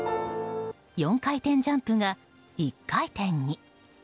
４回転ジャンプが１回転に。